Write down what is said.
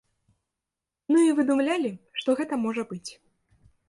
Ну і выдумлялі, што гэта можа быць.